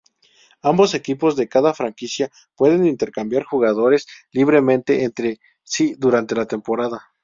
Ambos equipos de cada franquicia pueden intercambiar jugadores libremente entre sí durante la temporada.